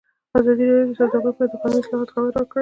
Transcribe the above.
ازادي راډیو د سوداګري په اړه د قانوني اصلاحاتو خبر ورکړی.